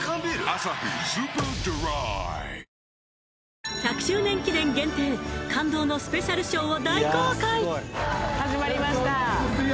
「アサヒスーパードライ」１００周年記念限定感動のスペシャルＳＨＯＷを大公開